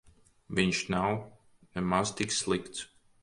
Viņš nav nemaz tik slikts.